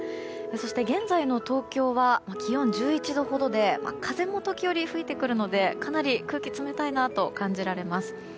そして現在の東京は気温１１度ほどで風も時折吹いてくるのでかなり空気、冷たいなと感じられます。